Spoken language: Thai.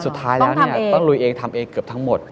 สุดท้ายแล้วเนี่ยต้องลุยเองทำเองเกือบทั้งหมด